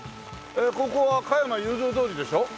ここは加山雄三通りでしょ？